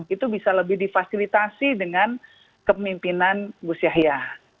itu bisa lebih difasilitasi dengan kepemimpinan gus yahya